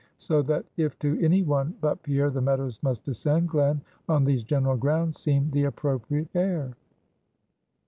So that if to any one but Pierre the Meadows must descend, Glen, on these general grounds, seemed the appropriate heir.